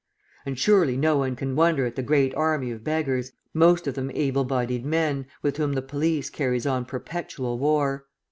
And surely no one can wonder at the great army of beggars, most of them able bodied men, with whom the police carries on perpetual war.